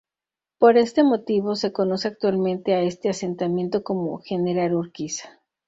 Por este motivo se conoce actualmente a este asentamiento como General Urquiza.